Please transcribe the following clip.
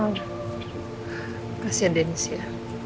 aduh kasihan deniz ya